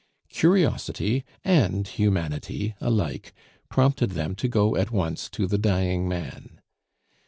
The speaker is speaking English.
Curiosity and humanity alike prompted them to go at once to the dying man.